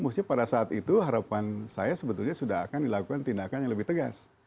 maksudnya pada saat itu harapan saya sebetulnya sudah akan dilakukan tindakan yang lebih tegas